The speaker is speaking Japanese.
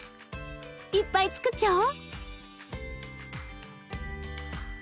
いっぱいつくっちゃおう。